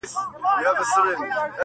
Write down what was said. جهاني چي ما یې لار په سترګو فرش کړه-